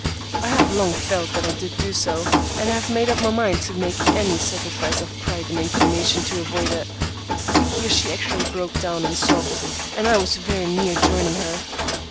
I have long felt that I did do so, and have made up my mind to make any sacrifice of pride and inclination to avoid it." Here she actually broke down and sobbed, and I was very near joining her.